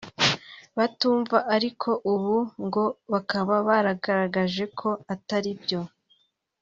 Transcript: batumva ariko ubu ngo bakaba baragaragaje ko atari byo